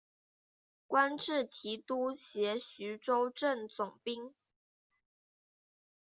官至提督衔徐州镇总兵。